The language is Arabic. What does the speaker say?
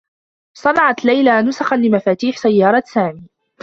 صنعت ليلى بسخا لمفاتيح سيّارة سامي.